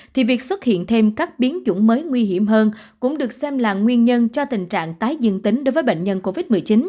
thì việc xuất hiện thêm các biến chủng mới nguy hiểm hơn cũng được xem là nguyên nhân cho tình trạng tái dương tính đối với bệnh nhân covid một mươi chín